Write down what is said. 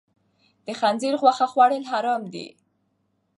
د خنزیر غوښه خوړل حرام دي.